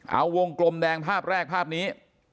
เอาวงกลมแดงภาพแรกภาพนี้